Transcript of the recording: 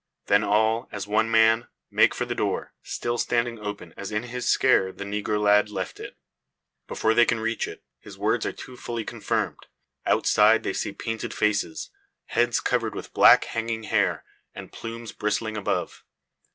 Then all, as one man, make for the door, still standing open as in his scare the negro lad left it. Before they can reach it, his words are too fully confirmed. Outside they see painted faces, heads covered with black hanging hair, and plumes bristling above.